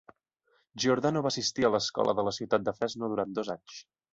Giordano va assistir a l"escola de la ciutat de Fresno durant dos anys.